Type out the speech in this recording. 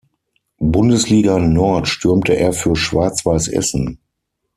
Bundesliga Nord stürmte er für Schwarz-Weiß Essen.